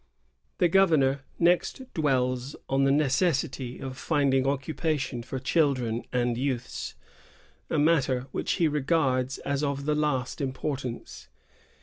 The governor next dwells on the necessity of find ing occupation for children and youths, — a matter which he regards as of the last importance.